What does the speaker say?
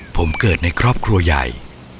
ผมเกิดในครอบครัวใหญ่